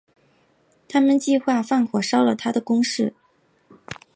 他们计划放火烧他的宫室。